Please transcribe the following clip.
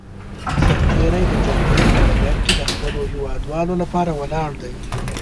سرتېری د جګړې په ډګر کې د خپلو هېوادوالو لپاره ولاړ دی.